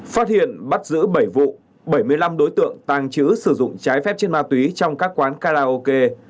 phát hiện bắt giữ bảy vụ bảy mươi năm đối tượng tàng trữ sử dụng trái phép trên ma túy trong các quán karaoke